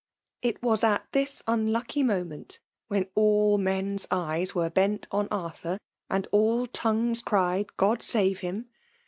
It was at this unlucky moment, when all men's eyes were bent on Arthur, and all tongues cried *' God save him